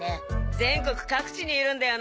全国各地にいるんだよな！